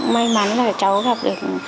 may mắn là cháu gặp được